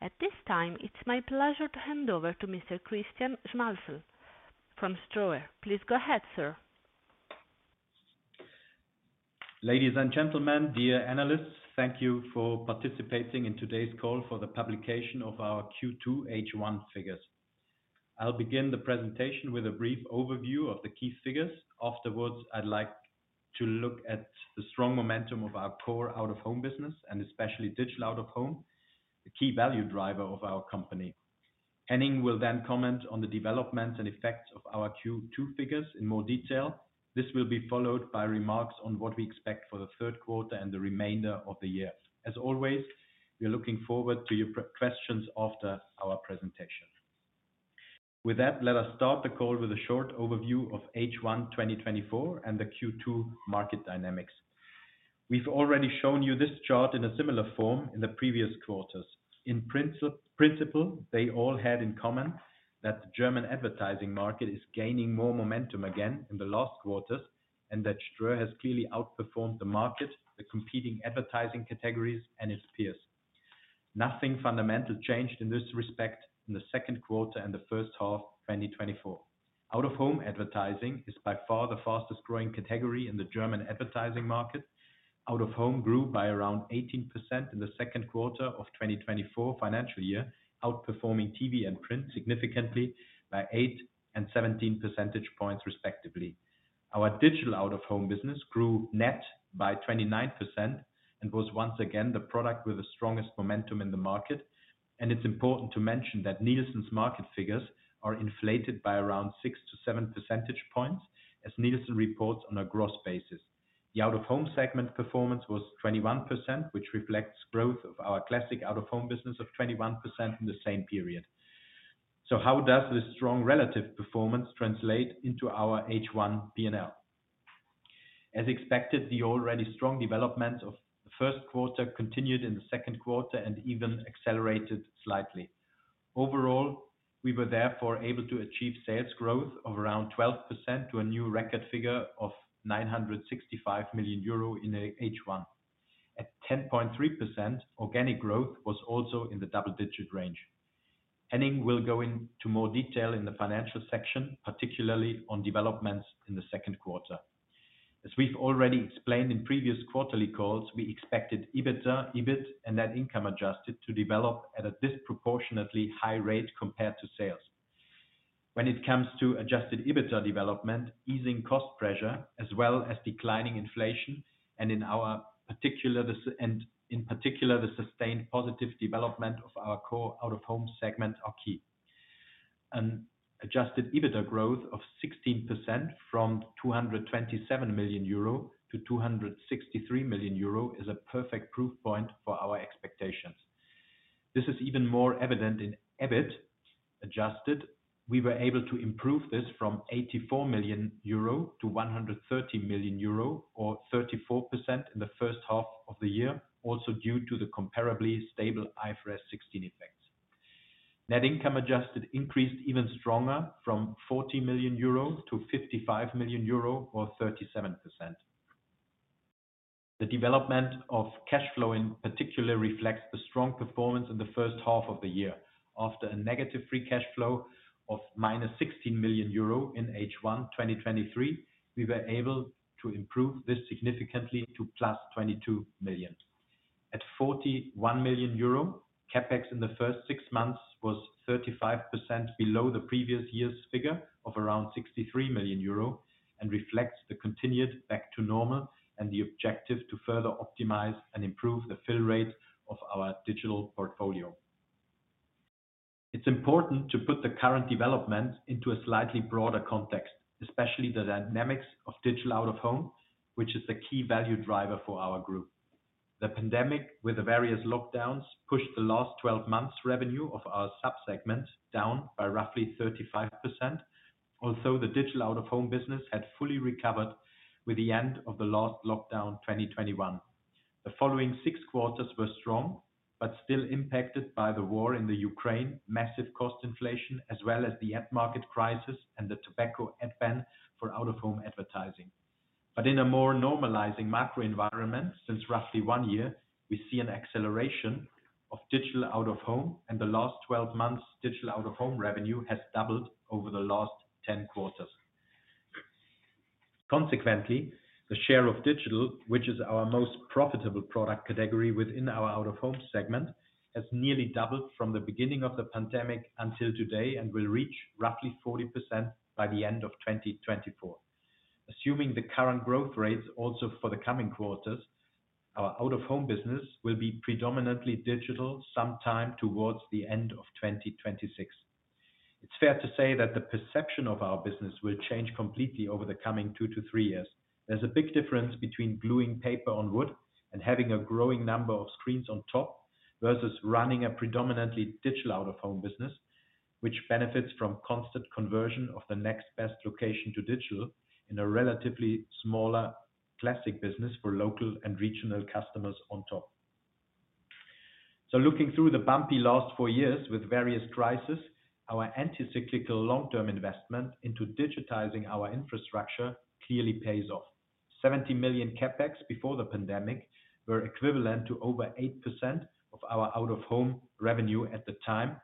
At this time, it's my pleasure to hand over to Mr. Christian Schmalzl from Ströer. Please go ahead, sir. Ladies and gentlemen, dear analysts, thank you for participating in today's call for the publication of our Q2 H1 figures. I'll begin the presentation with a brief overview of the key figures. Afterwards, I'd like to look at the strong momentum of our core out-of-home business and especially digital out-of-home, the key value driver of our company. Henning will then comment on the developments and effects of our Q2 figures in more detail. This will be followed by remarks on what we expect for the third quarter and the remainder of the year. As always, we are looking forward to your questions after our presentation. With that, let us start the call with a short overview of H1 2024 and the Q2 market dynamics. We've already shown you this chart in a similar form in the previous quarters. In principle, they all had in common that the German advertising market is gaining more momentum again in the last quarters, and that Ströer has clearly outperformed the market, the competing advertising categories, and its peers. Nothing fundamental changed in this respect in the second quarter and the first half of 2024. Out-of-home advertising is by far the fastest growing category in the German advertising market. Out-of-home grew by around 18% in the second quarter of 2024 financial year, outperforming TV and print significantly by 8 and 17 percentage points, respectively. Our digital out-of-home business grew net by 29% and was once again the product with the strongest momentum in the market. It's important to mention that Nielsen's market figures are inflated by around six-seven percentage points, as Nielsen reports on a gross basis. The out-of-home segment performance was 21%, which reflects growth of our classic out-of-home business of 21% in the same period. So how does this strong relative performance translate into our H1 P&L? As expected, the already strong development of the first quarter continued in the second quarter and even accelerated slightly. Overall, we were therefore able to achieve sales growth of around 12% to a new record figure of 965 million euro in the H1. At 10.3%, organic growth was also in the double digit range. Henning will go into more detail in the financial section, particularly on developments in the second quarter. As we've already explained in previous quarterly calls, we expected EBITDA, EBIT, and net income adjusted to develop at a disproportionately high rate compared to sales. When it comes to adjusted EBITDA development, easing cost pressure, as well as declining inflation, and in particular, the sustained positive development of our core out-of-home segment are key. An adjusted EBITDA growth of 16% from 227 million euro to 263 million euro is a perfect proof point for our expectations. This is even more evident in EBIT. Adjusted, we were able to improve this from 84 million euro to 130 million euro or 34% in the first half of the year, also due to the comparably stable IFRS 16 effects. Net income adjusted increased even stronger, from 40 million euro to 55 million euro or 37%. The development of cash flow in particular, reflects the strong performance in the first half of the year. After a negative Free Cash Flow of -16 million euro in H1 2023, we were able to improve this significantly to +22 million. At 41 million euro, CapEx in the first six months was 35% below the previous year's figure of around 63 million euro and reflects the continued back to normal and the objective to further optimize and improve the fill rate of our digital portfolio. It's important to put the current development into a slightly broader context, especially the dynamics of digital out-of-home, which is the key value driver for our group. The pandemic, with the various lockdowns, pushed the last 12 months revenue of our subsegment down by roughly 35%. Also, the digital out-of-home business had fully recovered with the end of the last lockdown in 2021. The following 6 quarters were strong, but still impacted by the war in the Ukraine, massive cost inflation, as well as the ad market crisis and the tobacco ad ban for out-of-home advertising. But in a more normalizing macro environment, since roughly one year, we see an acceleration of digital out-of-home, and the last 12 months, digital out-of-home revenue has doubled over the last 10 quarters. Consequently, the share of digital, which is our most profitable product category within our out-of-home segment, has nearly doubled from the beginning of the pandemic until today and will reach roughly 40% by the end of 2024. Assuming the current growth rates also for the coming quarters, our out-of-home business will be predominantly digital sometime towards the end of 2026. It's fair to say that the perception of our business will change completely over the coming two - three years. There's a big difference between gluing paper on wood and having a growing number of screens on top, versus running a predominantly digital out-of-home business, which benefits from constant conversion of the next best location to digital in a relatively smaller classic business for local and regional customers on top. So looking through the bumpy last four years with various crises, our anti-cyclical long-term investment into digitizing our infrastructure clearly pays off. 70 million CapEx before the pandemic were equivalent to over 8% of our out-of-home revenue at the time,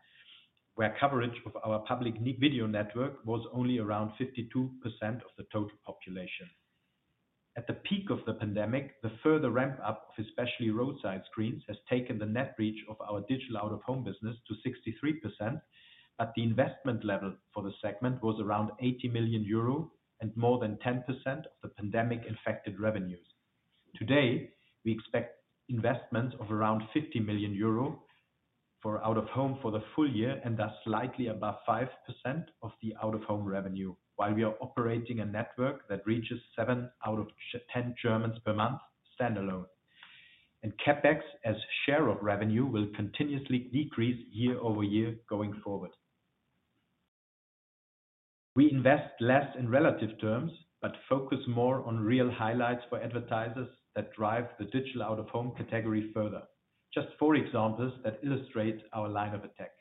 where coverage of our Public Video network was only around 52% of the total population. At the peak of the pandemic, the further ramp-up, especially roadside screens, has taken the net reach of our digital out-of-home business to 63%, but the investment level for the segment was around 80 million euro and more than 10% of the pandemic-infected revenues. Today, we expect investments of around 50 million euro for out-of-home for the full year, and thus slightly above 5% of the out-of-home revenue, while we are operating a network that reaches seven out of 10 Germans per month standalone. CapEx, as share of revenue, will continuously decrease year-over-year going forward. We invest less in relative terms, but focus more on real highlights for advertisers that drive the digital out-of-home category further. Just four examples that illustrate our line of attack.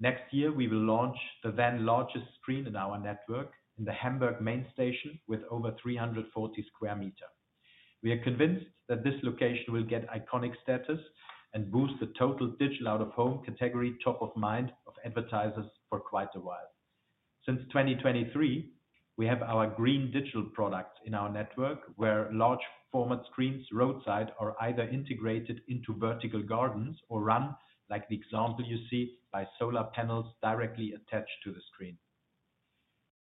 Next year, we will launch the then largest screen in our network in the Hamburg main station with over 340 square meters. We are convinced that this location will get iconic status and boost the total digital out-of-home category top of mind of advertisers for quite a while. Since 2023, we have our green digital products in our network, where large format screens, roadside, are either integrated into vertical gardens or run, like the example you see, by solar panels directly attached to the screen.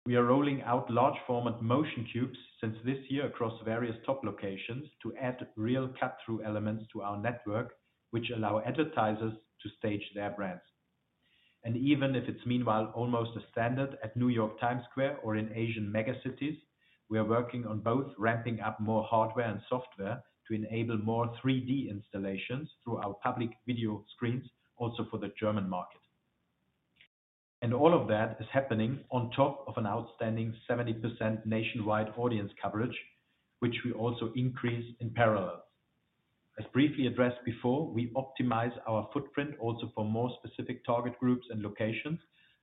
We are rolling out large format Motion Cubes since this year across various top locations to add real cut-through elements to our network, which allow advertisers to stage their brands. Even if it's meanwhile almost a standard at New York Times Square or in Asian mega cities, we are working on both ramping up more hardware and software to enable more 3D installations through our Public Video screens, also for the German market. All of that is happening on top of an outstanding 70% nationwide audience coverage, which we also increase in parallel. As briefly addressed before, we optimize our footprint also for more specific target groups and locations,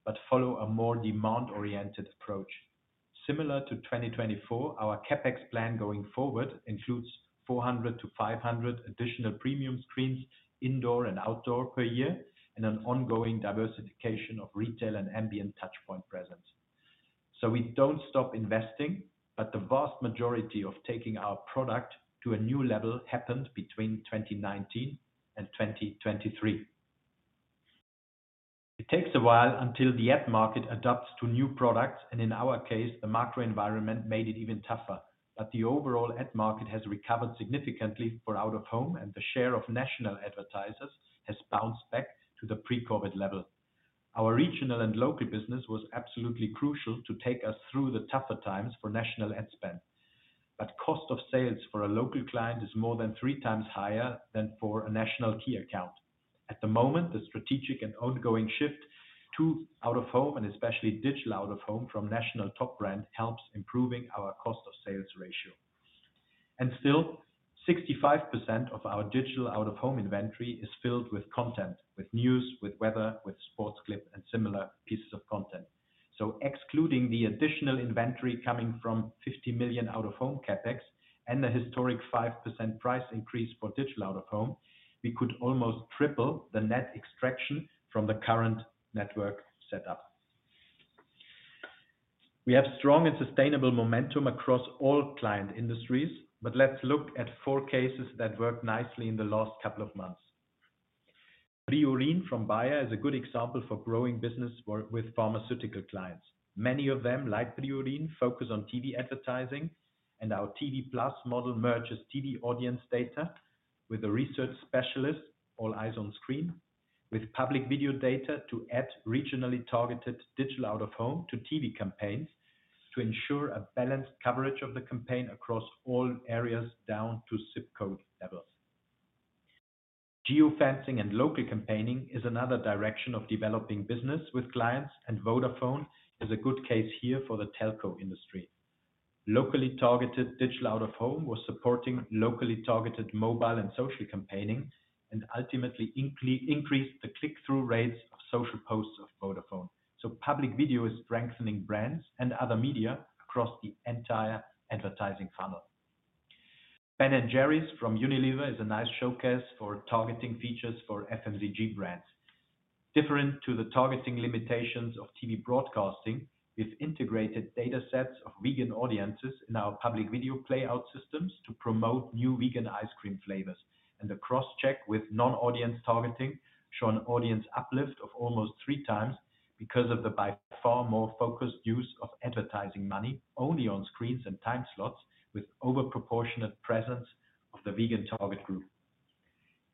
but follow a more demand-oriented approach. Similar to 2024, our CapEx plan going forward includes 400-500 additional premium screens, indoor and outdoor per year, and an ongoing diversification of retail and ambient touchpoint presence. We don't stop investing, but the vast majority of taking our product to a new level happened between 2019 and 2023. It takes a while until the ad market adapts to new products, and in our case, the macro environment made it even tougher. But the overall ad market has recovered significantly for out-of-home, and the share of national advertisers has bounced back to the pre-COVID level. Our regional and local business was absolutely crucial to take us through the tougher times for national ad spend. But cost of sales for a local client is more than three times higher than for a national key account. At the moment, the strategic and ongoing shift to out-of-home, and especially digital out-of-home from national top brand, helps improving our cost of sales ratio. And still, 65% of our digital out-of-home inventory is filled with content, with news, with weather, with sports clip, and similar pieces of content. So excluding the additional inventory coming from 50 million out-of-home CapEx and the historic 5% price increase for digital out-of-home, we could almost triple the net extraction from the current network setup. We have strong and sustainable momentum across all client industries, but let's look at 4 cases that worked nicely in the last couple of months. Priorin from Bayer is a good example for growing business for with pharmaceutical clients. Many of them, like Priorin, focus on TV advertising, and our TV plus model merges TV audience data with a research specialist, AllEyesOnScreens, with Public video data to add regionally targeted digital out-of-home to TV campaigns to ensure a balanced coverage of the campaign across all areas, down to zip code levels. Geo-fencing and local campaigning is another direction of developing business with clients, and Vodafone is a good case here for the telco industry. Locally targeted digital out-of-home was supporting locally targeted mobile and social campaigning, and ultimately increased the click-through rates of social posts of Vodafone. So Public Video is strengthening brands and other media across the entire advertising funnel. Ben & Jerry’s from Unilever is a nice showcase for targeting features for FMCG brands. Different to the targeting limitations of TV broadcasting, we've integrated data sets of vegan audiences in our Public Video playout systems to promote new vegan ice cream flavors, and the cross-check with non-audience targeting show an audience uplift of almost three times because of the, by far, more focused use of advertising money only on screens and time slots, with over proportionate presence of the vegan target group.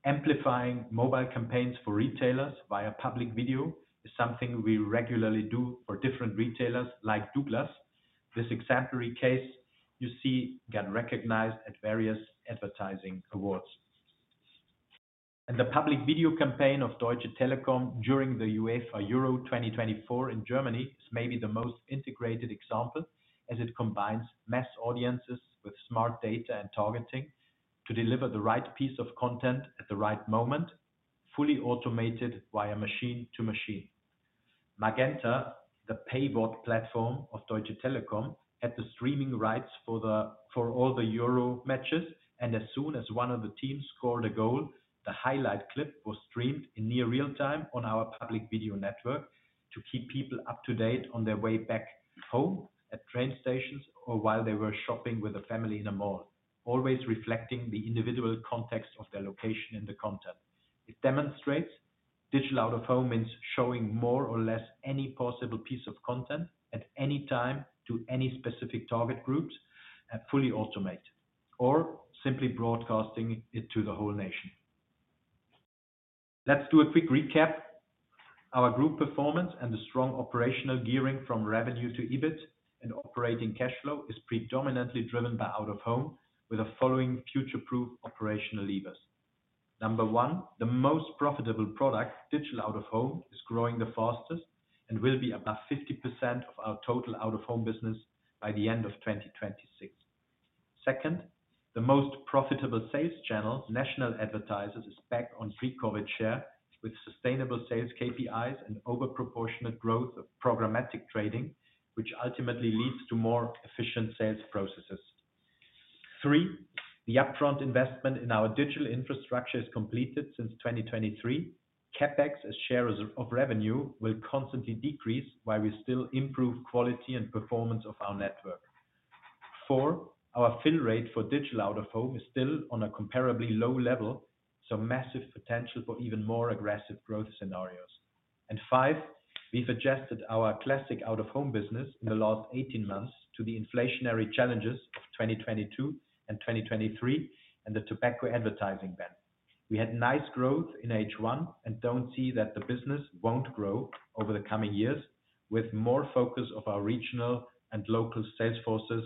Amplifying mobile campaigns for retailers via Public Video is something we regularly do for different retailers like Douglas. This exemplary case you see, got recognized at various advertising awards. The Public Video campaign of Deutsche Telekom during the UEFA Euro 2024 in Germany is maybe the most integrated example, as it combines mass audiences with smart data and targeting, to deliver the right piece of content at the right moment, fully automated via machine to machine. Magenta, the payboard platform of Deutsche Telekom, had the streaming rights for all the Euro matches, and as soon as one of the teams scored a goal, the highlight clip was streamed in near real time on our Public Video network to keep people up to date on their way back home, at train stations, or while they were shopping with a family in a mall, always reflecting the individual context of their location and the content. It demonstrates digital out-of-home means showing more or less any possible piece of content at any time to any specific target groups, and fully automate, or simply broadcasting it to the whole nation. Let's do a quick recap. Our group performance and the strong operational gearing from revenue to EBIT and operating cash flow is predominantly driven by out-of-home, with the following future-proof operational levers. Number one, the most profitable product, digital out-of-home, is growing the fastest and will be above 50% of our total out-of-home business by the end of 2026. Second, the most profitable sales channel, national advertisers, is back on pre-COVID share, with sustainable sales KPIs and over proportionate growth of programmatic trading, which ultimately leads to more efficient sales processes. Three, the upfront investment in our digital infrastructure is completed since 2023. CapEx, as shares of revenue, will constantly decrease while we still improve quality and performance of our network. four, our fill rate for digital out-of-home is still on a comparably low level, so massive potential for even more aggressive growth scenarios. And five, we've adjusted our classic out-of-home business in the last 18 months to the inflationary challenges of 2022 and 2023, and the tobacco advertising ban. We had nice growth in H1 and don't see that the business won't grow over the coming years, with more focus of our regional and local sales forces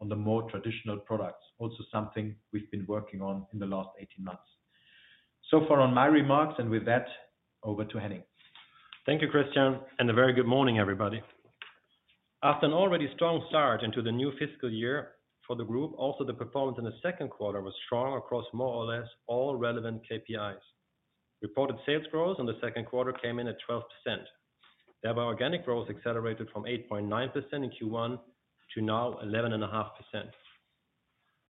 on the more traditional products. Also, something we've been working on in the last 18 months. So far on my remarks, and with that, over to Henning. Thank you, Christian, and a very good morning, everybody. After an already strong start into the new fiscal year for the group, also the performance in the second quarter was strong across more or less all relevant KPIs. Reported sales growth in the second quarter came in at 12%. Therefore, organic growth accelerated from 8.9% in Q1 to now 11.5%.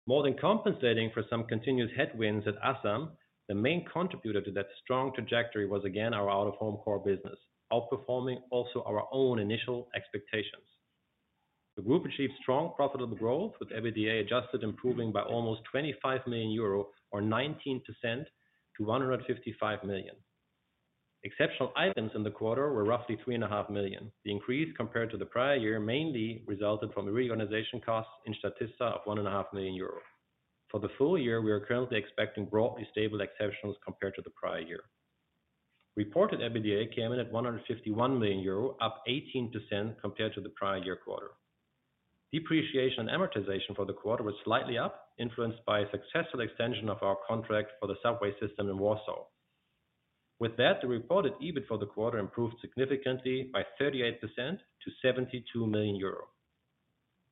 More than compensating for some continuous headwinds at Asam, the main contributor to that strong trajectory was, again, our out-of-home core business, outperforming also our own initial expectations. The group achieved strong profitable growth, with EBITDA adjusted, improving by almost 25 million euro or 19% to 155 million. Exceptional items in the quarter were roughly 3.5 million. The increase compared to the prior year, mainly resulted from a reorganization cost in Statista of 1.5 million euro. For the full year, we are currently expecting broadly stable exceptionals compared to the prior year. Reported EBITDA came in at 151 million euro, up 18% compared to the prior year quarter. Depreciation and amortization for the quarter was slightly up, influenced by a successful extension of our contract for the subway system in Warsaw. With that, the reported EBIT for the quarter improved significantly by 38% to 72 million euro.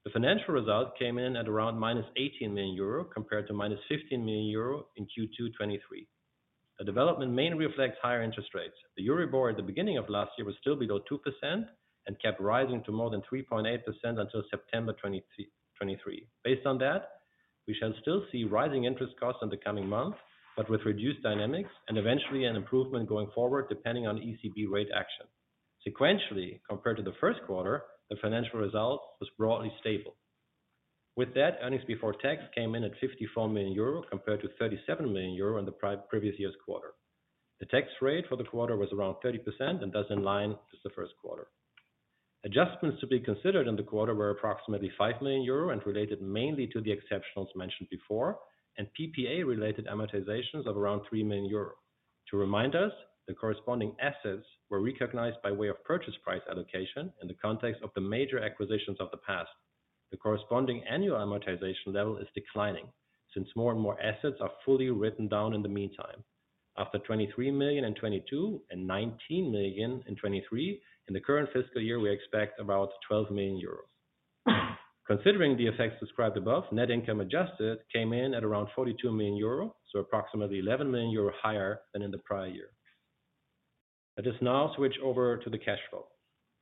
The financial result came in at around -18 million euro, compared to -15 million euro in Q2 2023. The development mainly reflects higher interest rates. The Euribor at the beginning of last year was still below 2% and kept rising to more than 3.8% until September 2023. Based on that, we shall still see rising interest costs in the coming months, but with reduced dynamics and eventually an improvement going forward, depending on ECB rate action. Sequentially, compared to the first quarter, the financial result was broadly stable. With that, earnings before tax came in at 54 million euro, compared to 37 million euro in the previous year's quarter. The tax rate for the quarter was around 30%, and that's in line with the first quarter. Adjustments to be considered in the quarter were approximately 5 million euro and related mainly to the exceptionals mentioned before, and PPA-related amortizations of around 3 million euros. To remind us, the corresponding assets were recognized by way of purchase price allocation in the context of the major acquisitions of the past. The corresponding annual amortization level is declining, since more and more assets are fully written down in the meantime. After 23 million in 2022 and 19 million in 2023, in the current fiscal year, we expect about 12 million euros. Considering the effects described above, net income adjusted came in at around 42 million euros, so approximately 11 million euros higher than in the prior year. I just now switch over to the cash flow.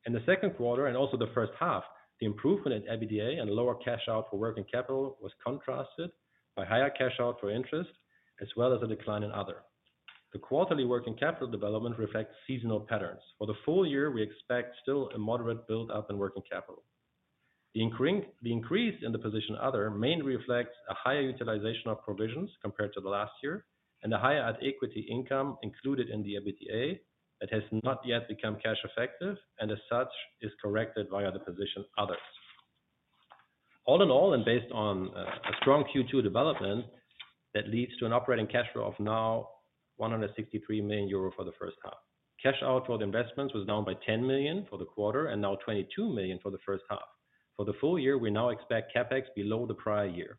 In the second quarter and also the first half, the improvement in EBITDA and lower cash out for working capital was contrasted by higher cash out for interest, as well as a decline in other. The quarterly working capital development reflects seasonal patterns. For the full year, we expect still a moderate build-up in working capital. The increase in the position other mainly reflects a higher utilization of provisions compared to the last year, and a higher adjusted equity income included in the EBITDA that has not yet become cash effective, and as such, is corrected via the position others. All in all, and based on a strong Q2 development, that leads to an operating cash flow of now 163 million euro for the first half. Cash out for the investments was down by 10 million for the quarter, and now 22 million for the first half. For the full year, we now expect CapEx below the prior year.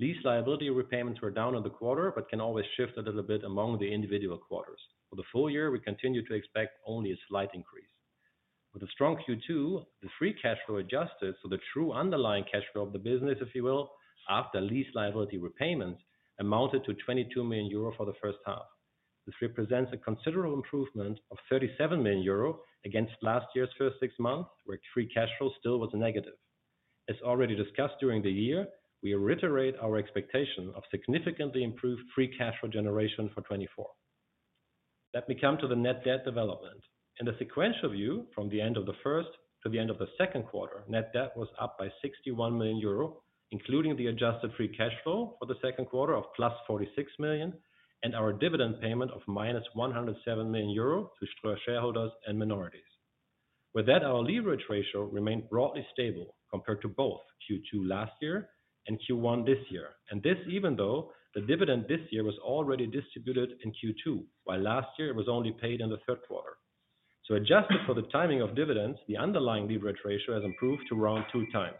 Lease liability repayments were down on the quarter, but can always shift a little bit among the individual quarters. For the full year, we continue to expect only a slight increase. With a strong Q2, the free cash flow adjusted, so the true underlying cash flow of the business, if you will, after lease liability repayments, amounted to 22 million euro for the first half. This represents a considerable improvement of 37 million euro against last year's first six months, where free cash flow still was negative. As already discussed during the year, we reiterate our expectation of significantly improved free cash flow generation for 2024. Let me come to the net debt development. In the sequential view, from the end of the first to the end of the second quarter, net debt was up by 61 million euro, including the adjusted free cash flow for the second quarter of +46 million, and our dividend payment of -107 million euro to Ströer shareholders and minorities. With that, our leverage ratio remained broadly stable compared to both Q2 last year and Q1 this year. And this, even though the dividend this year was already distributed in Q2, while last year it was only paid in the third quarter. So adjusted for the timing of dividends, the underlying leverage ratio has improved to around two times.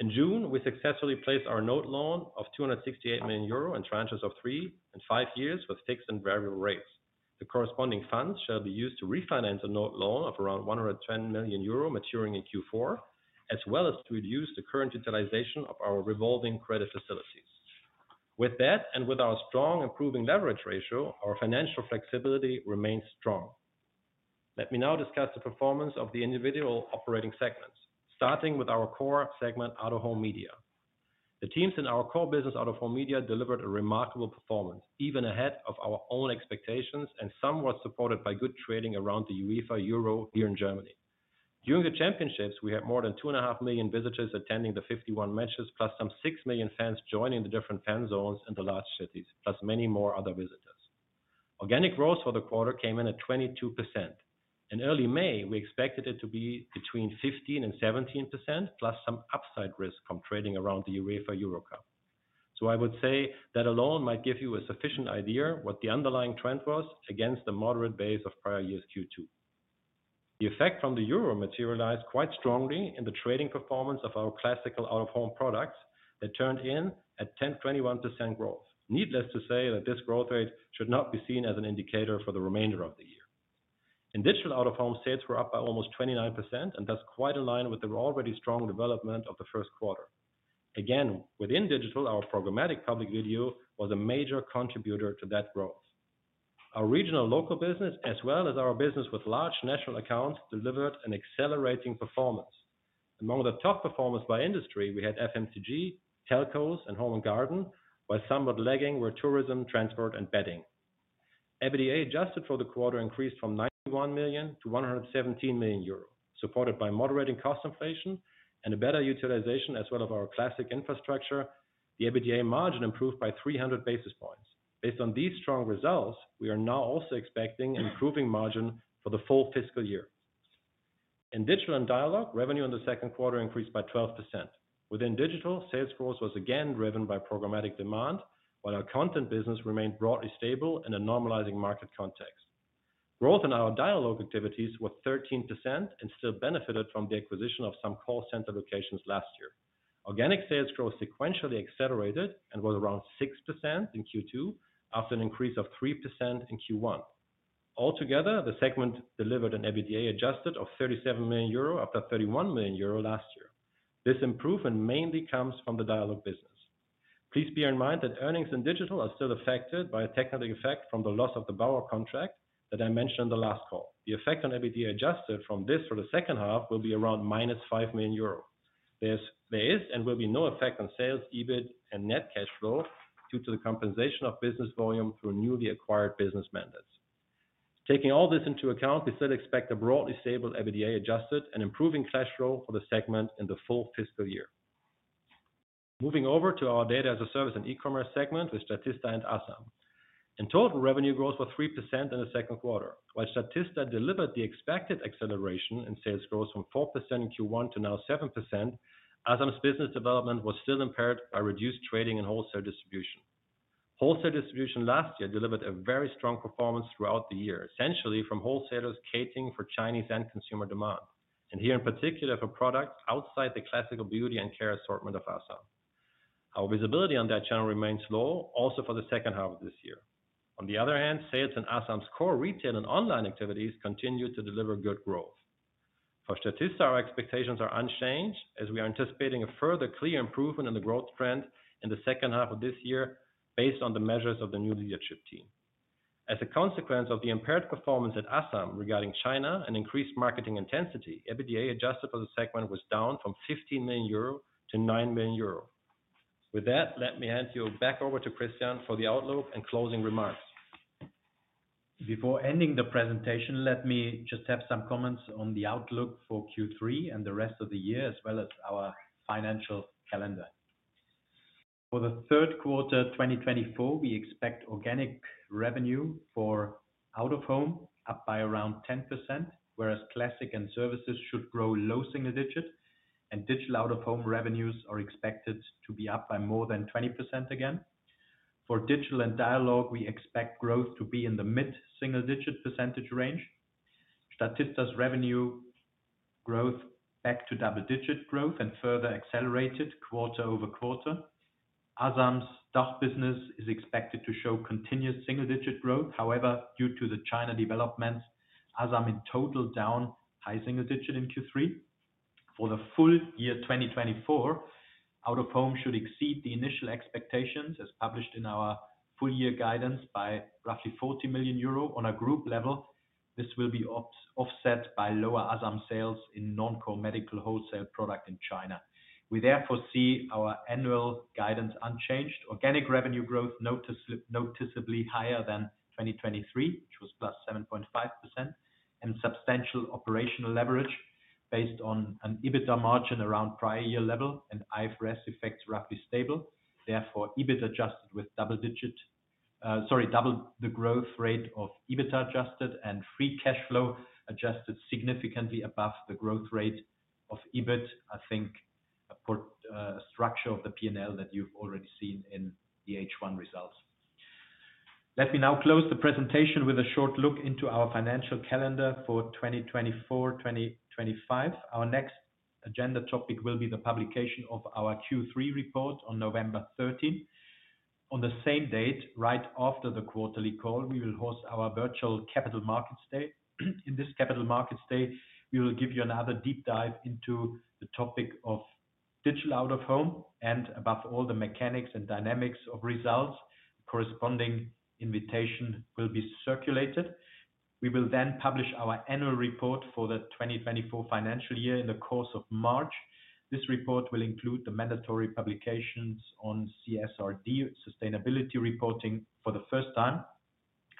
In June, we successfully placed our note loan of 268 million euro in tranches of three and five years with fixed and variable rates. The corresponding funds shall be used to refinance a note loan of around 110 million euro maturing in Q4, as well as to reduce the current utilization of our revolving credit facilities. With that, and with our strong improving leverage ratio, our financial flexibility remains strong. Let me now discuss the performance of the individual operating segments, starting with our core segment, out-of-home media. The teams in our core business, out-of-home media, delivered a remarkable performance, even ahead of our own expectations, and somewhat supported by good trading around the UEFA Euro here in Germany. During the championships, we had more than 2.5 million visitors attending the 51 matches, plus some 6 million fans joining the different fan zones in the large cities, plus many more other visitors. Organic growth for the quarter came in at 22%. In early May, we expected it to be between 15% and 17%, plus some upside risk from trading around the UEFA Euro Cup. So I would say that alone might give you a sufficient idea what the underlying trend was against the moderate base of prior years Q2. The effect from the Euro materialized quite strongly in the trading performance of our classical out-of-home products that turned in at 10.21% growth. Needless to say, that this growth rate should not be seen as an indicator for the remainder of the year. In digital out-of-home, sales were up by almost 29%, and that's quite aligned with the already strong development of the first quarter. Again, within digital, our programmatic Public Video was a major contributor to that growth. Our regional local business, as well as our business with large national accounts, delivered an accelerating performance. Among the top performers by industry, we had FMCG, telcos, and home and garden, while somewhat lagging were tourism, transport, and betting. EBITDA adjusted for the quarter increased from 91 million to 117 million euro, supported by moderating cost inflation and a better utilization as well of our classic infrastructure, the EBITDA margin improved by 300 basis points. Based on these strong results, we are now also expecting improving margin for the full fiscal year. In digital and dialogue, revenue in the second quarter increased by 12%. Within digital, sales growth was again driven by programmatic demand, while our content business remained broadly stable in a normalizing market context. Growth in our dialogue activities was 13% and still benefited from the acquisition of some call center locations last year. Organic sales growth sequentially accelerated and was around 6% in Q2, after an increase of 3% in Q1. Altogether, the segment delivered an adjusted EBITDA of 37 million euro, up from 31 million euro last year. This improvement mainly comes from the dialogue business. Please bear in mind that earnings in digital are still affected by a technical effect from the loss of the Bauer contract that I mentioned in the last call. The effect on adjusted EBITDA from this for the second half will be around -5 million euro. There is and will be no effect on sales, EBIT, and net cash flow due to the compensation of business volume through newly acquired business mandates. Taking all this into account, we still expect a broadly stable adjusted EBITDA and improving cash flow for the segment in the full fiscal year. Moving over to our data as a service and e-commerce segment with Statista and AZAM. In total, revenue growth was 3% in the second quarter, while Statista delivered the expected acceleration in sales growth from 4% in Q1 to now 7%, AZAM's business development was still impaired by reduced trading and wholesale distribution. Wholesale distribution last year delivered a very strong performance throughout the year, essentially from wholesalers catering for Chinese and consumer demand, and here, in particular, for products outside the classical beauty and care assortment of AZAM. Our visibility on that channel remains low, also for the second half of this year. On the other hand, sales in AZAM's core retail and online activities continue to deliver good growth. For Statista, our expectations are unchanged, as we are anticipating a further clear improvement in the growth trend in the second half of this year, based on the measures of the new leadership team. As a consequence of the impaired performance at AZAM regarding China and increased marketing intensity, EBITDA adjusted for the segment was down from 15 million euro to 9 million euro. With that, let me hand you back over to Christian for the outlook and closing remarks. Before ending the presentation, let me just have some comments on the outlook for Q3 and the rest of the year, as well as our financial calendar. For the third quarter, 2024, we expect organic revenue for out-of-home up by around 10%, whereas classic and services should grow low single digits, and digital out-of-home revenues are expected to be up by more than 20% again. For digital and dialogue, we expect growth to be in the mid-single-digit percentage range. Statista's revenue growth back to double-digit growth and further accelerated quarter-over-quarter. ASAM's stock business is expected to show continued single-digit growth. However, due to the China developments, ASAM in total down high single-digit in Q3. For the full year 2024, out-of-home should exceed the initial expectations, as published in our full year guidance, by roughly 40 million euro on a group level. This will be offset by lower ASAM sales in non-core medical wholesale product in China. We therefore see our annual guidance unchanged. Organic revenue growth noticeably higher than 2023, which was +7.5%, and substantial operational leverage based on an EBITDA margin around prior year level and IFRS effects roughly stable. Therefore, EBIT adjusted with double digit, sorry, double the growth rate of EBIT adjusted and free cash flow adjusted significantly above the growth rate of EBIT. I think, for, structure of the P&L that you've already seen in the H1 results. Let me now close the presentation with a short look into our financial calendar for 2024, 2025. Our next agenda topic will be the publication of our Q3 report on November thirteenth. On the same date, right after the quarterly call, we will host our virtual Capital Markets Day. In this capital markets day, we will give you another deep dive into the topic of digital out-of-home and above all, the mechanics and dynamics of results. Corresponding invitation will be circulated. We will then publish our annual report for the 2024 financial year in the course of March. This report will include the mandatory publications on CSRD sustainability reporting for the first time.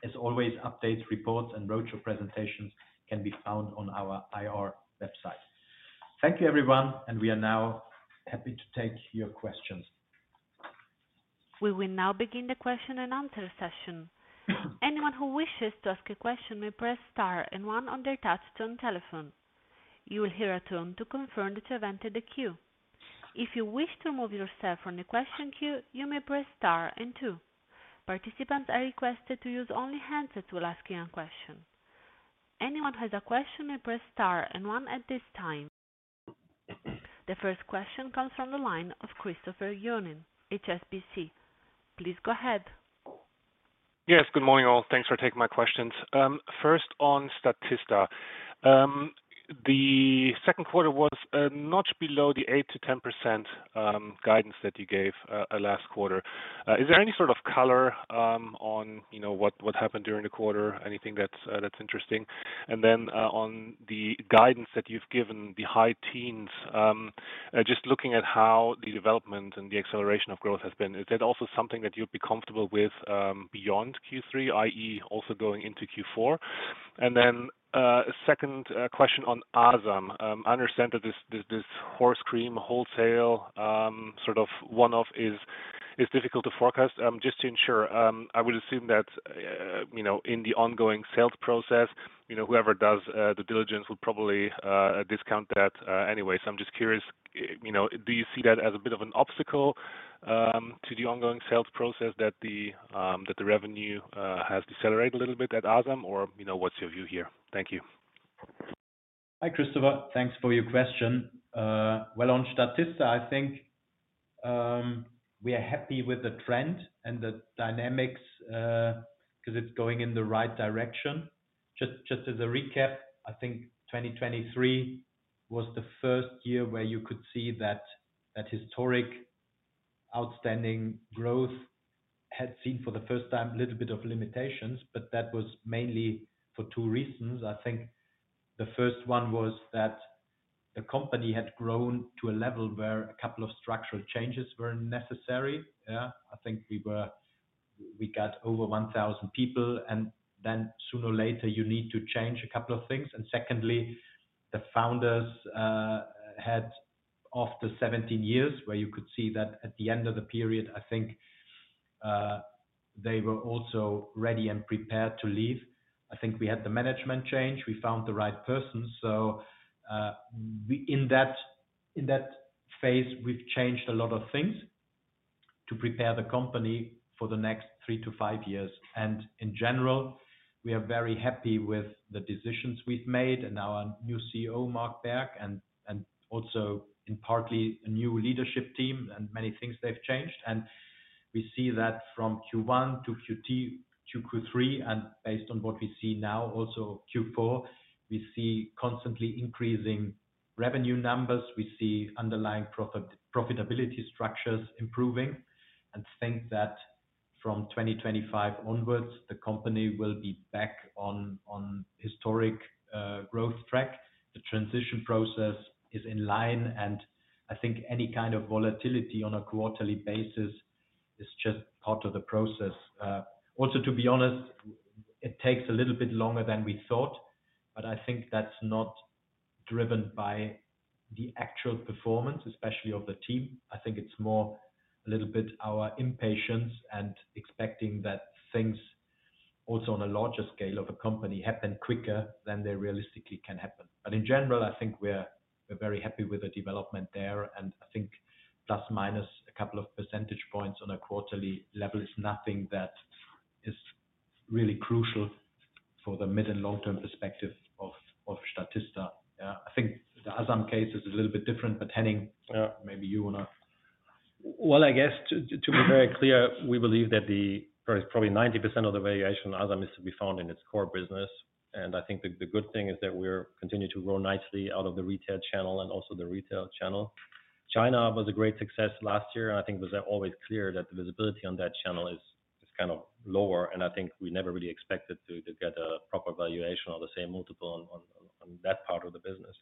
As always, updates, reports, and roadshow presentations can be found on our IR website. Thank you, everyone, and we are now happy to take your questions. We will now begin the question and answer session. Anyone who wishes to ask a question may press star and one on their touchtone telephone. You will hear a tone to confirm that you have entered the queue. If you wish to remove yourself from the question queue, you may press star and two. Participants are requested to use only hands to ask a question. Anyone who has a question may press star and one at this time. The first question comes from the line of Christopher Johnen, HSBC. Please go ahead. Yes, good morning, all. Thanks for taking my questions. First on Statista. The second quarter was not below the 8%-10% guidance that you gave last quarter. Is there any sort of color on, you know, what happened during the quarter? Anything that's interesting? And then, on the guidance that you've given, the high teens, just looking at how the development and the acceleration of growth has been, is that also something that you'd be comfortable with, beyond Q3, i.e., also going into Q4? And then, second question on ASAM. I understand that this horse cream wholesale sort of one-off is difficult to forecast. Just to ensure, I would assume that, you know, in the ongoing sales process, you know, whoever does the diligence will probably discount that anyway. So I'm just curious, you know, do you see that as a bit of an obstacle to the ongoing sales process, that the revenue has decelerated a little bit at ASAM? Or, you know, what's your view here? Thank you. Hi, Christopher. Thanks for your question. Well, on Statista, I think, we are happy with the trend and the dynamics, because it's going in the right direction. Just as a recap, I think 2023 was the first year where you could see that historic outstanding growth had seen for the first time a little bit of limitations, but that was mainly for two reasons. I think the first one was that the company had grown to a level where a couple of structural changes were necessary. Yeah, I think we were. We got over 1,000 people, and then sooner or later, you need to change a couple of things. And secondly, the founders had after 17 years, where you could see that at the end of the period, I think, they were also ready and prepared to leave. I think we had the management change. We found the right person. So, in that phase, we've changed a lot of things to prepare the company for the next three to five years. And in general, we are very happy with the decisions we've made and our new CEO, Mark Berg, and also partly a new leadership team and many things they've changed. And we see that from Q1 to Q2 to Q3, and based on what we see now, also Q4, we see constantly increasing revenue numbers. We see underlying profitability structures improving, and think that from 2025 onwards, the company will be back on historic growth track. The transition process is in line, and I think any kind of volatility on a quarterly basis is just part of the process. Also, to be honest, it takes a little bit longer than we thought, but I think that's not driven by the actual performance, especially of the team. I think it's more a little bit our impatience and expecting that things also on a larger scale of a company, happen quicker than they realistically can happen. But in general, I think we're very happy with the development there, and I think plus, minus a couple of percentage points on a quarterly level is nothing that is really crucial for the mid and long-term perspective of Statista. I think the Asam case is a little bit different, but Henning- Yeah. Maybe you want to? Well, I guess to be very clear, we believe that probably 90% of the variation Asam is to be found in its core business. And I think the good thing is that we're continuing to grow nicely out of the retail channel and also the retail channel. China was a great success last year, and I think it was always clear that the visibility on that channel is kind of lower. And I think we never really expected to get a proper valuation or the same multiple on that part of the business.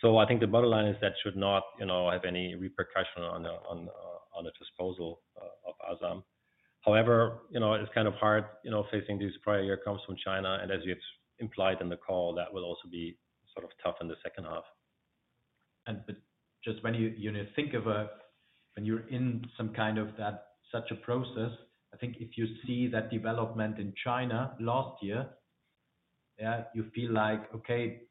So I think the bottom line is that should not, you know, have any repercussion on the disposal of Asam. However, you know, it's kind of hard, you know, facing these prior year comes from China, and as you've implied in the call, that will also be sort of tough in the second half. But just when you, you know, think of when you're in some kind of that such a process, I think if you see that development in China last year, you feel like, okay,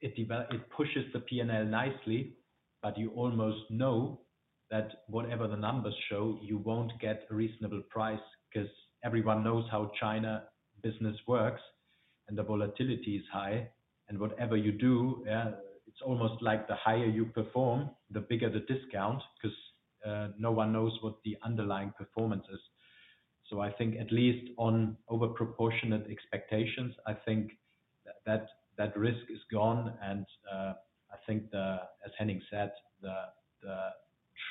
it pushes the P&L nicely, but you almost know that whatever the numbers show, you won't get a reasonable price. 'Cause everyone knows how China business works, and the volatility is high, and whatever you do, it's almost like the higher you perform, the bigger the discount, 'cause no one knows what the underlying performance is. So I think at least on overproportionate expectations, I think that risk is gone. And I think the... As Henning said, the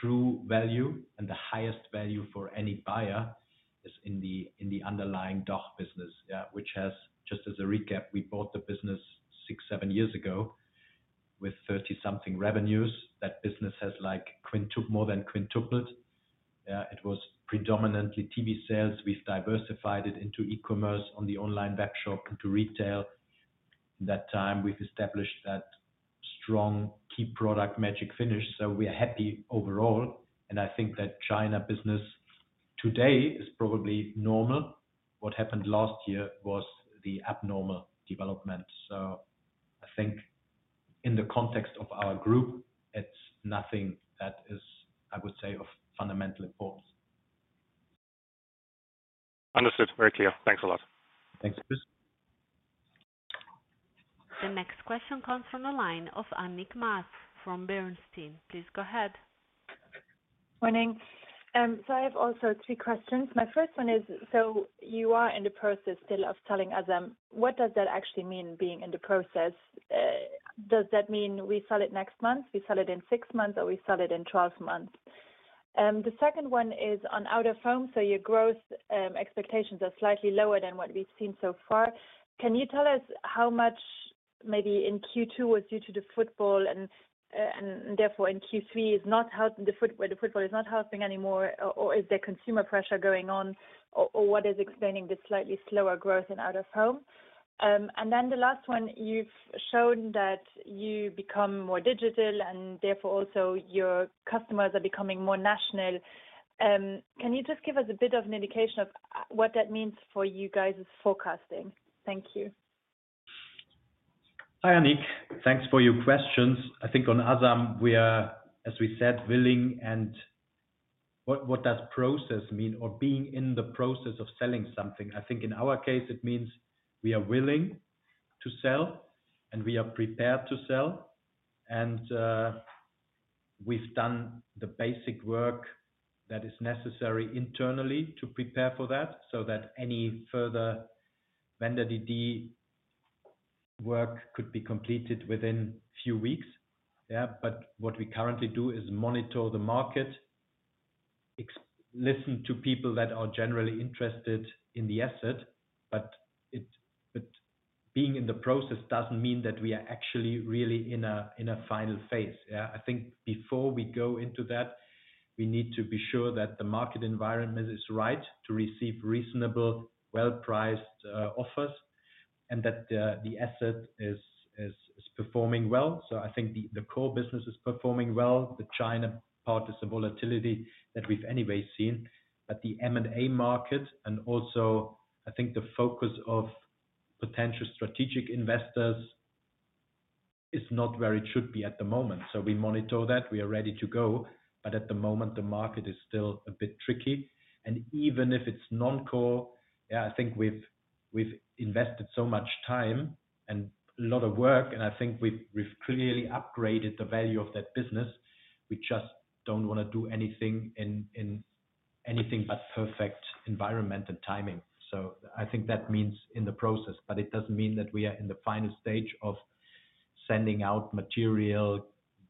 true value and the highest value for any buyer is in the underlying DOOH business. Which has, just as a recap, we bought the business six - seven years ago with 30-something revenues. That business has, like, more than quintupled. It was predominantly TV sales. We've diversified it into e-commerce on the online back shop into retail. In that time, we've established that strong key product Magic Finish. So we are happy overall, and I think that China business today is probably normal. What happened last year was the abnormal development. So I think in the context of our group, it's nothing that is, I would say, of fundamental importance. Understood. Very clear. Thanks a lot. Thanks. The next question comes from the line of Annick Maas from Bernstein. Please go ahead. Morning. So I have also three questions. My first one is: so you are in the process still of selling Asam, what does that actually mean, being in the process? Does that mean we sell it next month, we sell it in six months, or we sell it in twelve months? The second one is on out-of-home. So your growth expectations are slightly lower than what we've seen so far. Can you tell us how much maybe in Q2 was due to the football and therefore, in Q3 is not helping where the football is not helping anymore, or is there consumer pressure going on, or what is explaining the slightly slower growth in out-of-home? And then the last one, you've shown that you become more digital, and therefore, also your customers are becoming more national. Can you just give us a bit of an indication of, what that means for you guys's forecasting? Thank you. Hi, Annick. Thanks for your questions. I think on Asam, we are, as we said, willing and... What does process mean or being in the process of selling something? I think in our case, it means we are willing to sell, and we are prepared to sell. And we've done the basic work that is necessary internally to prepare for that, so that any further vendor DD work could be completed within few weeks. Yeah, but what we currently do is monitor the market, listen to people that are generally interested in the asset. But being in the process doesn't mean that we are actually really in a final phase. I think before we go into that, we need to be sure that the market environment is right to receive reasonable, well-priced offers, and that the asset is performing well. So I think the core business is performing well. The China part is a volatility that we've anyway seen, but the M&A market, and also, I think the focus of potential strategic investors is not where it should be at the moment. So we monitor that, we are ready to go, but at the moment, the market is still a bit tricky. And even if it's non-core, I think we've invested so much time and a lot of work, and I think we've clearly upgraded the value of that business. We just don't wanna do anything in anything but perfect environment and timing. I think that means in the process, but it doesn't mean that we are in the final stage of sending out material,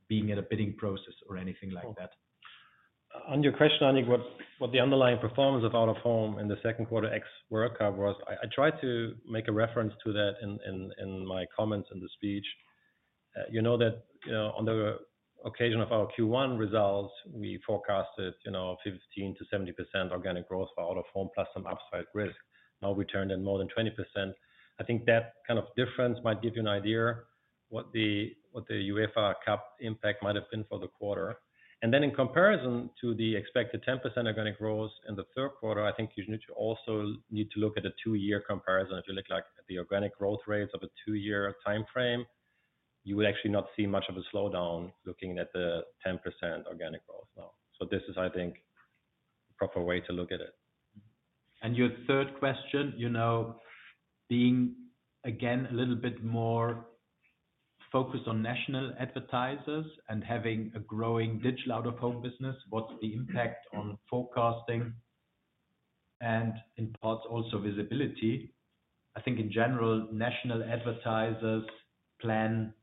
being at a bidding process or anything like that. On your question, Annick, what the underlying performance of out-of-home in the second quarter ex World Cup was, I tried to make a reference to that in my comments in the speech. You know that, on the occasion of our Q1 results, we forecasted, you know, 15%-70% organic growth for out-of-home, plus some upside risk. Now, we turned in more than 20%. I think that kind of difference might give you an idea what the UEFA Cup impact might have been for the quarter. And then in comparison to the expected 10% organic growth in the third quarter, I think you should also need to look at a two-year comparison. If you look like at the organic growth rates of a two-year timeframe-... You would actually not see much of a slowdown looking at the 10% organic growth now. This is, I think, the proper way to look at it. Your third question, you know, being, again, a little bit more focused on national advertisers and having a growing digital out-of-home business, what's the impact on forecasting and in parts, also visibility? I think in general, national advertisers plan,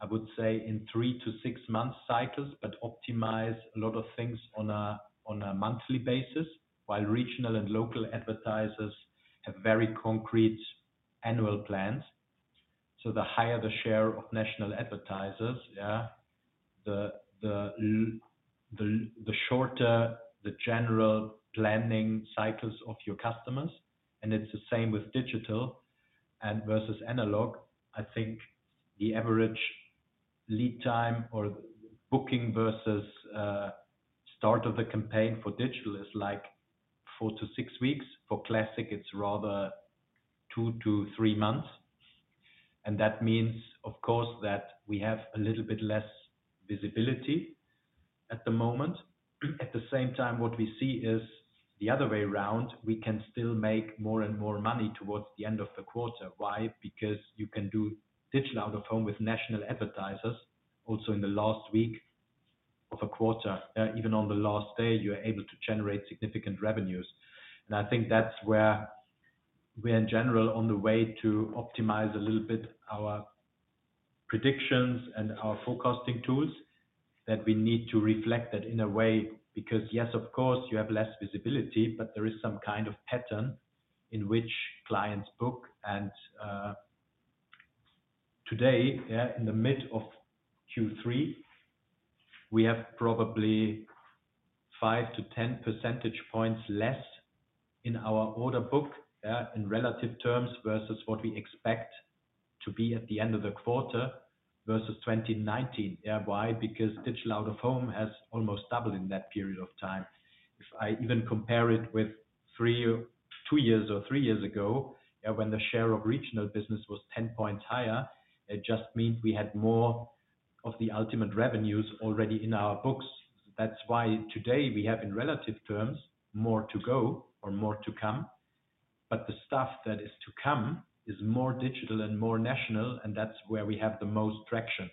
I would say, in three-six months cycles, but optimize a lot of things on a monthly basis, while regional and local advertisers have very concrete annual plans. So the higher the share of national advertisers, yeah, the shorter the general planning cycles of your customers, and it's the same with digital and versus analog. I think the average lead time or booking versus start of the campaign for digital is like four-six weeks. For classic, it's rather two-three months, and that means, of course, that we have a little bit less visibility at the moment. At the same time, what we see is the other way around. We can still make more and more money towards the end of the quarter. Why? Because you can do digital out-of-home with national advertisers also in the last week of a quarter. Even on the last day, you're able to generate significant revenues. And I think that's where we're, in general, on the way to optimize a little bit our predictions and our forecasting tools, that we need to reflect that in a way. Because, yes, of course you have less visibility, but there is some kind of pattern in which clients book. And today, in the mid of Q3, we have probably 5-10 percentage points less in our order book, in relative terms, versus what we expect to be at the end of the quarter versus 2019. Why? Because digital out-of-home has almost doubled in that period of time. If I even compare it with three or two years or three years ago, when the share of regional business was 10 points higher, it just means we had more of the ultimate revenues already in our books. That's why today we have, in relative terms, more to go or more to come, but the stuff that is to come is more digital and more national, and that's where we have the most traction.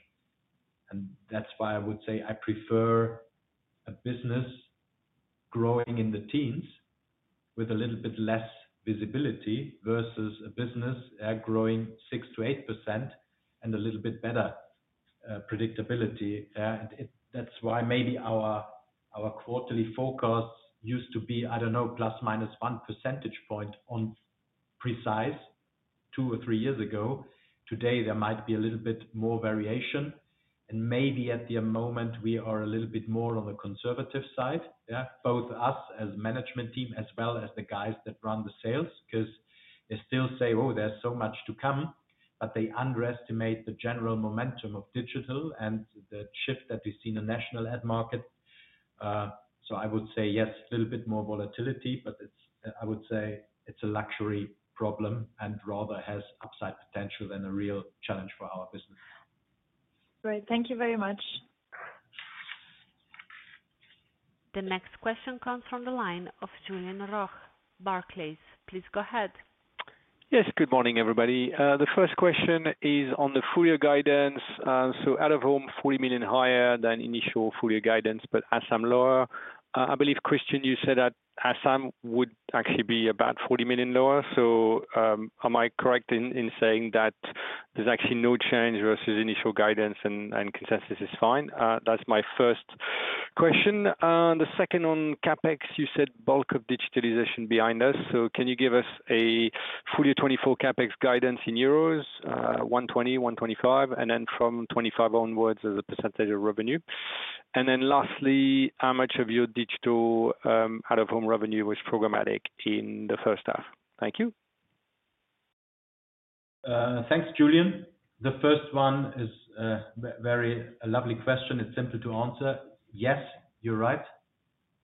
And that's why I would say I prefer a business growing in the teens with a little bit less visibility, versus a business growing 6%-8% and a little bit better predictability. That's why maybe our quarterly forecast used to be, I don't know, plus minus 1 percentage point on precise two or three years ago. Today, there might be a little bit more variation, and maybe at the moment we are a little bit more on the conservative side. Yeah. Both us as management team, as well as the guys that run the sales, 'cause they still say, "Oh, there's so much to come," but they underestimate the general momentum of digital and the shift that we see in the national ad market. So I would say yes, a little bit more volatility, but it's, I would say it's a luxury problem, and rather has upside potential than a real challenge for our business. Great. Thank you very much. The next question comes from the line of Julien Roch, Barclays. Please go ahead. Yes, good morning, everybody. The first question is on the full-year guidance. So out-of-home, 40 million higher than initial full-year guidance, but ASAM lower. I believe, Christian, you said that ASAM would actually be about 40 million lower. So, am I correct in saying that there's actually no change versus initial guidance and consensus is fine? That's my first question. The second on CapEx, you said bulk of digitalization behind us. So can you give us a full year 2024 CapEx guidance in euros, 120, 125, and then from 2025 onwards as a percentage of revenue? And then lastly, how much of your digital out-of-home revenue was programmatic in the first half? Thank you. Thanks, Julien. The first one is a very lovely question. It's simple to answer. Yes, you're right.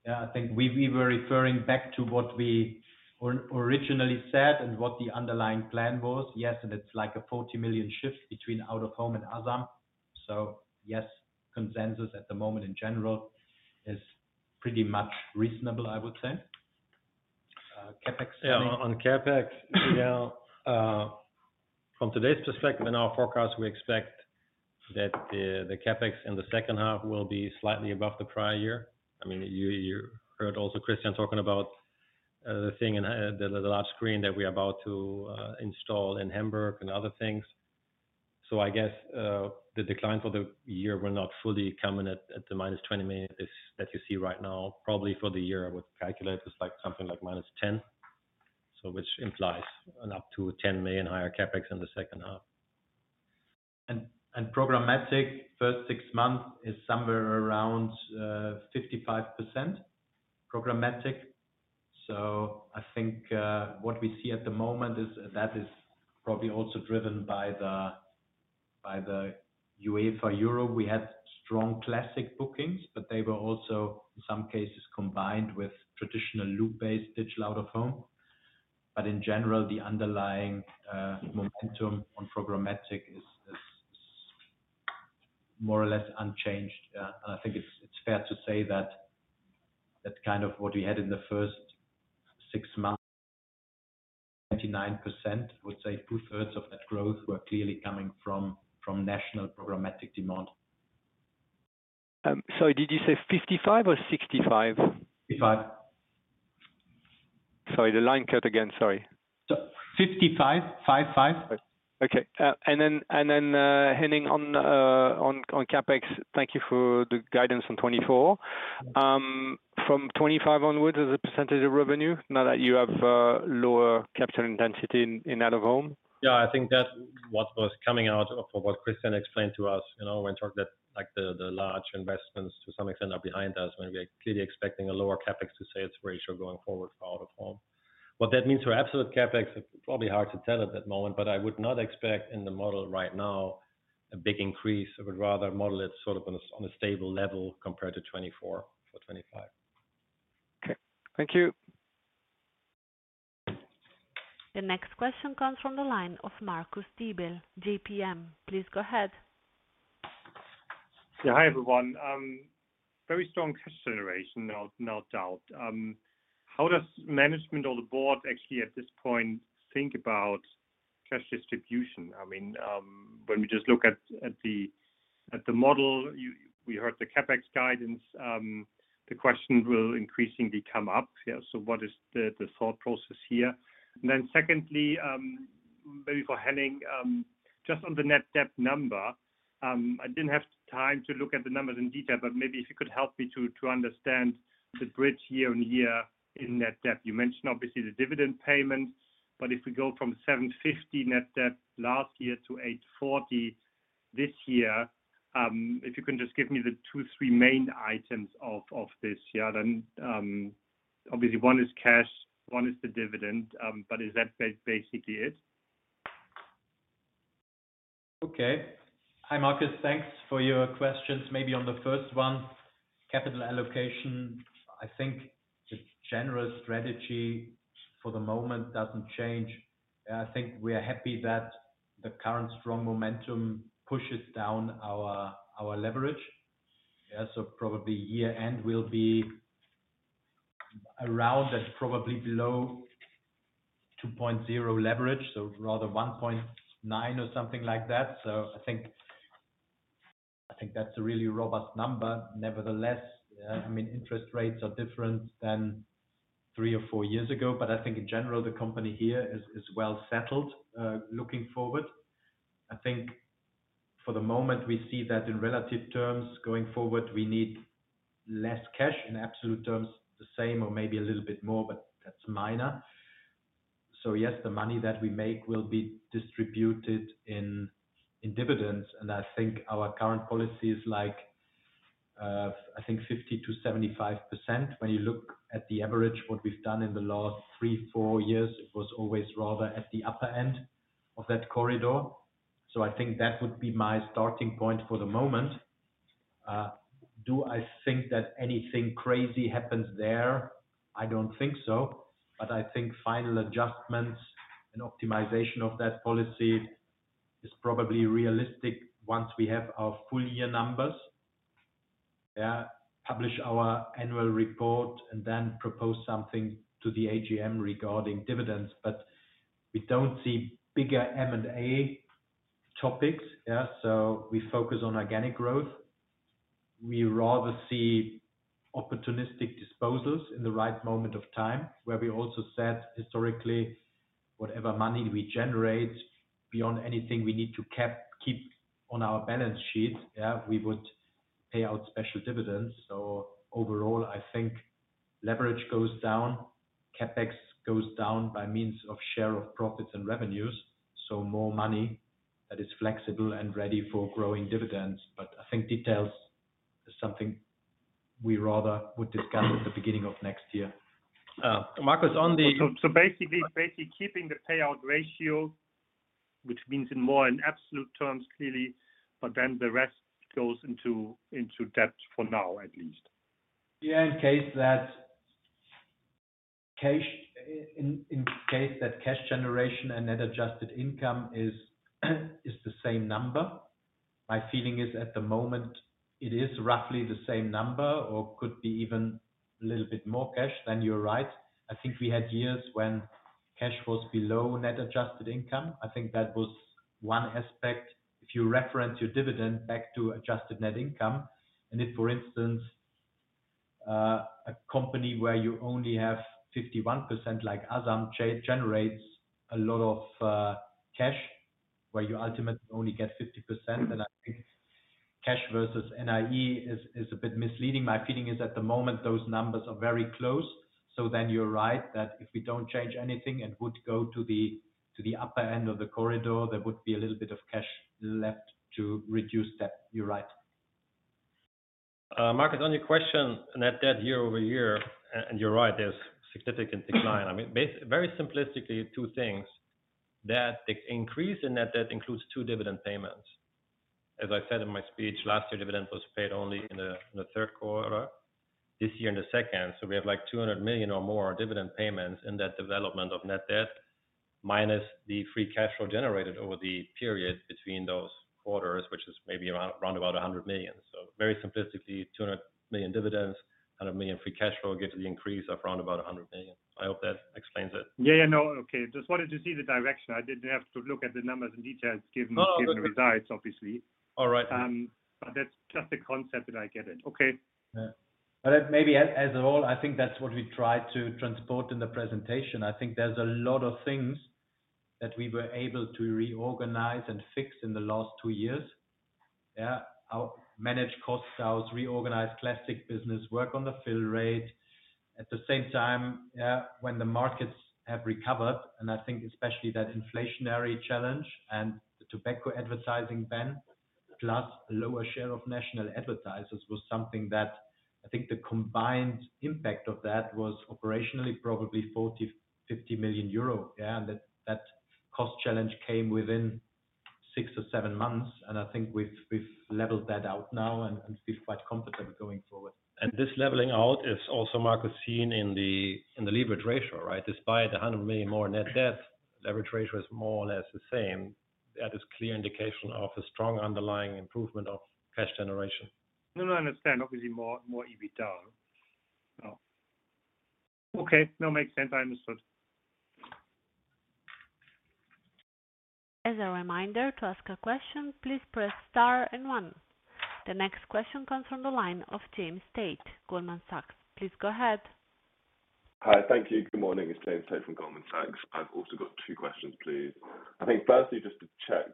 I think we were referring back to what we originally said and what the underlying plan was. Yes, and it's like a 40 million shift between out-of-home and ASAM. So yes, consensus at the moment in general is pretty much reasonable, I would say. CapEx- Yeah, on CapEx, yeah, from today's perspective in our forecast, we expect that the CapEx in the second half will be slightly above the prior year. I mean, you heard also Christian talking about the thing in the large screen that we're about to install in Hamburg and other things. So I guess, the decline for the year will not fully come in at the minus 20 million that you see right now, probably for the year, I would calculate, it's like something like minus 10 million. So which implies an up to 10 million higher CapEx in the second half. And programmatic, first six months is somewhere around 55% programmatic. So I think what we see at the moment is that is probably also driven by the UEFA Euro. We had strong classic bookings, but they were also, in some cases, combined with traditional loop-based digital out-of-home. But in general, the underlying momentum on programmatic is more or less unchanged. I think it's fair to say that that's kind of what we had in the first six months. 99%, would say two-thirds of that growth were clearly coming from national programmatic demand. Sorry, did you say 55 or 65? Fifty-five. Sorry, the line cut again, sorry. 55, 5, 5. Okay. And then, Henning, on the CapEx, thank you for the guidance on 2024. From 2025 onwards, as a percentage of revenue, now that you have lower capital intensity in out-of-home. Yeah, I think that's what was coming out of what Christian explained to us. You know, when talking about that, like, the large investments to some extent are behind us, when we are clearly expecting a lower CapEx-to-sales ratio going forward for out-of-home. What that means for absolute CapEx, it's probably hard to tell at that moment, but I would not expect in the model right now, a big increase. I would rather model it sort of on a, on a stable level compared to 2024 for 2025. Okay, thank you. The next question comes from the line of Marcus Diebel, JPM. Please go ahead. Yeah. Hi, everyone. Very strong cash generation, no, no doubt. How does management or the board actually, at this point, think about cash distribution? I mean, when we just look at the model, we heard the CapEx guidance, the question will increasingly come up. Yeah, so what is the thought process here? And then secondly, maybe for Henning, just on the net debt number, I didn't have time to look at the numbers in detail, but maybe if you could help me to understand the bridge year-on-year in net debt. You mentioned obviously the dividend payments, but if we go from 750 net debt last year to 840 this year, if you can just give me the two, three main items of this year, then... Obviously, one is cash, one is the dividend, but is that basically it? Okay. Hi, Marcus. Thanks for your questions. Maybe on the first one, capital allocation, I think the general strategy for the moment doesn't change. I think we are happy that the current strong momentum pushes down our leverage. Yeah, so probably year-end will be around, but probably below 2.0 leverage, so rather 1.9 or something like that. So I think that's a really robust number. Nevertheless, I mean, interest rates are different than three or four years ago, but I think in general, the company here is well settled. Looking forward, I think for the moment, we see that in relative terms, going forward, we need less cash. In absolute terms, the same or maybe a little bit more, but that's minor. So yes, the money that we make will be distributed in dividends, and I think our current policy is like 50%-75%. When you look at the average, what we've done in the last three-four years, it was always rather at the upper end of that corridor. So I think that would be my starting point for the moment. Do I think that anything crazy happens there? I don't think so, but I think final adjustments and optimization of that policy is probably realistic once we have our full year numbers. Yeah, publish our annual report and then propose something to the AGM regarding dividends. But we don't see bigger M&A topics. Yeah, so we focus on organic growth. We rather see opportunistic disposals in the right moment of time, where we also said historically, whatever money we generate beyond anything we need to keep on our balance sheet, we would pay out special dividends. So overall, I think leverage goes down, CapEx goes down by means of share of profits and revenues, so more money that is flexible and ready for growing dividends. But I think details is something we rather would discuss at the beginning of next year. Marcus, on the- So, basically keeping the payout ratio, which means in more absolute terms, clearly, but then the rest goes into debt for now, at least. Yeah, in case that cash generation and net adjusted income is the same number, my feeling is, at the moment, it is roughly the same number or could be even a little bit more cash, then you're right. I think we had years when cash was below net adjusted income. I think that was one aspect. If you reference your dividend back to adjusted net income, and if, for instance, a company where you only have 51%, like ASAM, generates a lot of cash, where you ultimately only get 50%, then I think cash versus NAI is a bit misleading. My feeling is, at the moment, those numbers are very close. So then you're right, that if we don't change anything and would go to the upper end of the corridor, there would be a little bit of cash left to reduce debt. You're right. Marcus, on your question, net debt year-over-year, and you're right, there's significant decline. I mean, very simplistically, two things. That the increase in net debt includes two dividend payments. As I said in my speech, last year's dividend was paid only in the third quarter, this year in the second. So we have, like, 200 million or more dividend payments in that development of net debt, minus the free cash flow generated over the period between those quarters, which is maybe around about 100 million. So very simplistically, 200 million dividends, 100 million free cash flow gets the increase of around about 100 million. I hope that explains it. Yeah, yeah. No. Okay, just wanted to see the direction. I didn't have to look at the numbers and details given, given the results, obviously. All right. But that's just the concept that I get it. Okay. Yeah. But maybe as a whole, I think that's what we tried to transport in the presentation. I think there's a lot of things that we were able to reorganize and fix in the last two years. Yeah. Our managed cost styles, reorganized classic business, work on the fill rate. At the same time, when the markets have recovered, and I think especially that inflationary challenge and the tobacco advertising ban, plus lower share of national advertisers, was something that I think the combined impact of that was operationally probably 40 million-50 million euro. Yeah, and that cost challenge came within six or seven months, and I think we've leveled that out now and feel quite confident going forward. This leveling out is also, Marcus, seen in the, in the leverage ratio, right? Despite the 100 million more net debt, leverage ratio is more or less the same. That is clear indication of a strong underlying improvement of cash generation. No, no, I understand. Obviously, more, more EBITDA. Oh, okay. No, makes sense. I understood. As a reminder, to ask a question, please press star and one. The next question comes from the line of James Tate, Goldman Sachs. Please go ahead. Hi. Thank you. Good morning, it's James Tate from Goldman Sachs. I've also got two questions, please. I think firstly, just to check,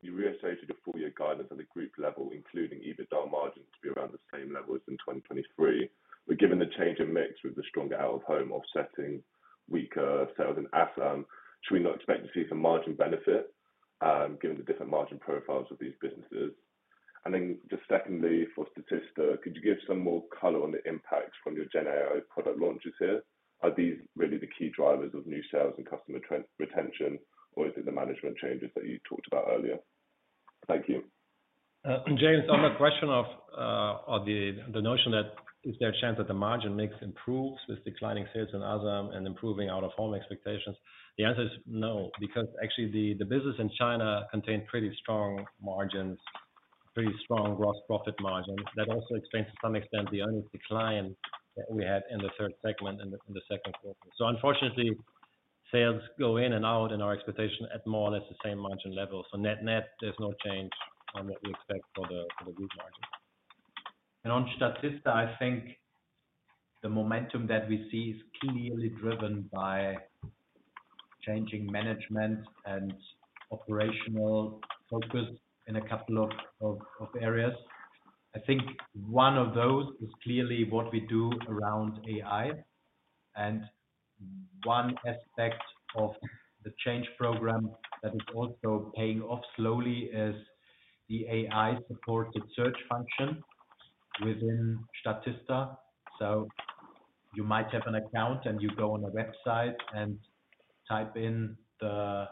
you reiterated the full year guidance at the group level, including EBITDA margins, to be around the same level as in 2023. But given the change in mix with the stronger out-of-home offsetting weaker sales in ASAM, should we not expect to see some margin benefit, given the different margin profiles of these businesses? And then just secondly, for Statista, could you give some more color on the impact from your GenAI product launches here? Are these really the key drivers of new sales and customer trend retention, or is it the management changes that you talked about earlier? Thank you. James, on the question of, on the notion that is there a chance that the margin mix improves with declining sales in ASAM and improving out-of-home expectations? The answer is no, because actually the business in China contains pretty strong margins, pretty strong gross profit margins. That also explains, to some extent, the only decline that we had in the third segment in the second quarter. So unfortunately, sales go in and out, and our expectation at more or less the same margin level. So net, net, there's no change on what we expect for the group margin. On Statista, I think the momentum that we see is clearly driven by changing management and operational focus in a couple of areas. I think one of those is clearly what we do around AI, and one aspect of the change program that is also paying off slowly is the AI-supported search function within Statista. So you might have an account, and you go on a website and type in the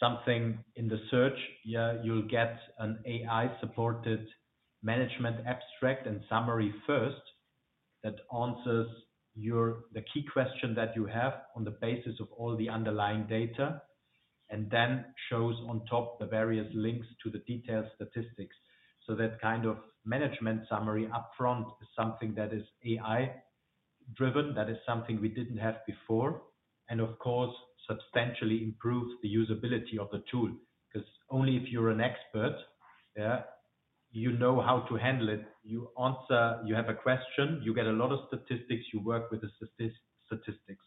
something in the search. Yeah, you'll get an AI-supported management abstract and summary first, that answers the key question that you have on the basis of all the underlying data, and then shows on top the various links to the detailed statistics. So that kind of management summary upfront is something that is AI-driven. That is something we didn't have before, and of course, substantially improves the usability of the tool. 'Cause only if you're an expert, yeah, you know how to handle it. You answer... You have a question, you get a lot of statistics, you work with the statistics.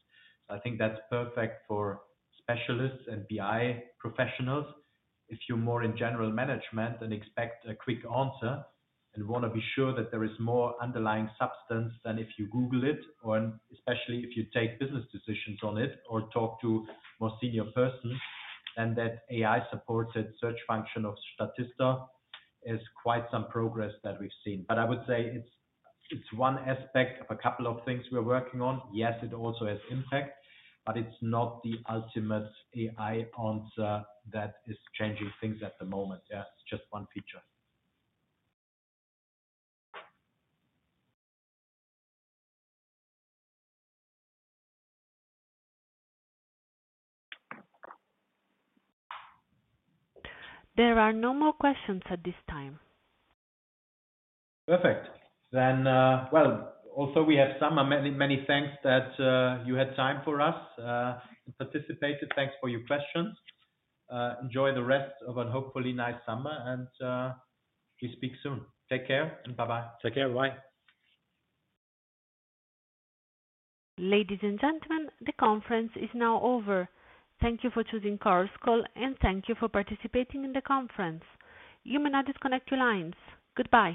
So I think that's perfect for specialists and BI professionals. If you're more in general management and expect a quick answer and wanna be sure that there is more underlying substance than if you Google it, or especially if you take business decisions on it or talk to more senior persons, then that AI-supported search function of Statista is quite some progress that we've seen. But I would say it's one aspect of a couple of things we're working on. Yes, it also has impact, but it's not the ultimate AI answer that is changing things at the moment. Yeah, it's just one feature. There are no more questions at this time. Perfect. Then, well, also we have some, many, many thanks that you had time for us, and participated. Thanks for your questions. Enjoy the rest of a hopefully nice summer, and, we speak soon. Take care and bye-bye. Take care. Bye. Ladies and gentlemen, the conference is now over. Thank you for choosing Chorus Call, and thank you for participating in the conference. You may now disconnect your lines. Goodbye.